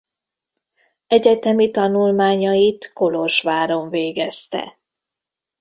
Egyetemi tanulmányait Kolozsváron végezte.